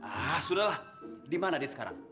ah sudah lah dimana dia sekarang